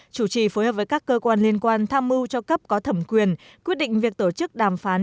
chủ trì phối hợp với các cơ quan liên quan tham mưu cho cấp có thẩm quyền quyết định việc tổ chức đàm phán